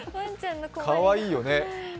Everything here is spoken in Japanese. かわいいよね。